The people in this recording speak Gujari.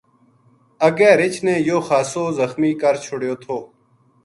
اگے رچھ نے یو خاصو زخمی کر چھڑیو تھو